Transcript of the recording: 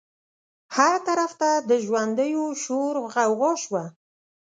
هر طرف ته د ژوندیو شور غوغا شوه.